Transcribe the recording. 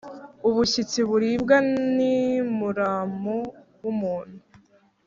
Ubushyitsi buribwa ni muramu w’umuntu.